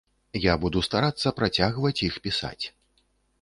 Я буду старацца працягваць іх пісаць.